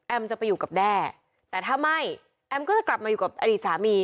จะไปอยู่กับแด้แต่ถ้าไม่แอมก็จะกลับมาอยู่กับอดีตสามี